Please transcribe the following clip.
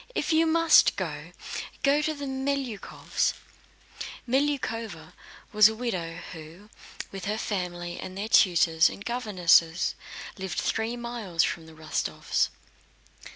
If you must go, go to the Melyukóvs'." Melyukóva was a widow, who, with her family and their tutors and governesses, lived three miles from the Rostóvs.